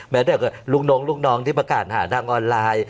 แม้แต่ลูกน้องที่ประกาศหาทางออนไลน์